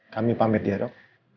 kami pamit ya dok